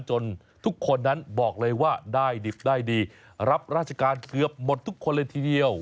ทุกคนนั้นบอกเลยว่าได้ดิบได้ดีรับราชการเกือบหมดทุกคนเลยทีเดียว